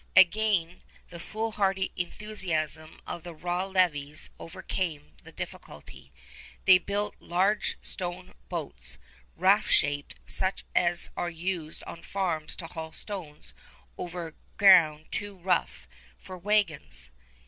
Again, the fool hardy enthusiasm of the raw levies overcame the difficulty. They built large stone boats, raft shaped, such as are used on farms to haul stones over ground too rough for wagons.